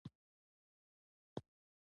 ژبه د ارواحو ژبه ده